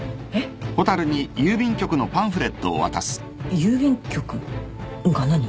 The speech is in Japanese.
「郵便局」が何？